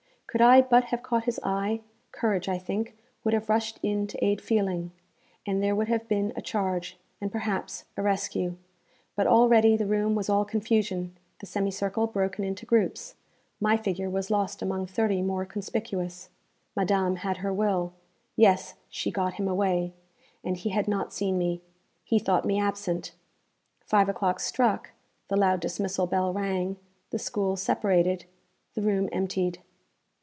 Could I but have caught his eye, courage, I think, would have rushed in to aid feeling, and there would have been a charge, and, perhaps, a rescue; but already the room was all confusion, the semicircle broken into groups, my figure was lost among thirty more conspicuous. Madame had her will. Yes, she got him away, and he had not seen me. He thought me absent. Five o'clock struck, the loud dismissal bell rang, the school separated, the room emptied.